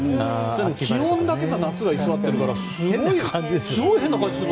でも、気温だけ夏が居座ってるからすごい変な感じがして。